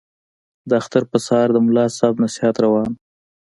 د اختر په سهار د ملا صاحب نصیحت روان وو.